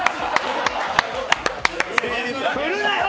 振るなよ！